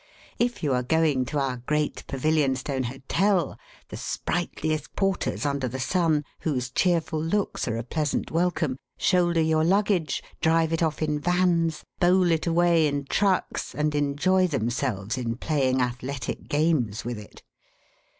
If you are going to our Great Pavilionstone Hotel, the sprightliest porters under the sun, whose cheerful looks are a pleasant welcome, shoulder your luggage, drive it off in vans, bowl it away in trucks, and enjoy themselves in playing athletic games with it.